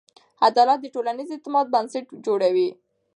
عدالت د ټولنیز اعتماد بنسټ جوړوي.